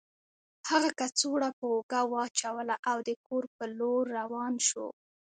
هغه کڅوړه په اوږه واچوله او د کور په لور روان شو